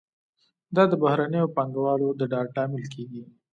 دا د بهرنیو پانګوالو د ډاډ لامل کیږي.